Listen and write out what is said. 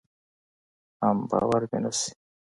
حم باور مې نشي.